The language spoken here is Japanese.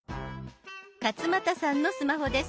勝俣さんのスマホです。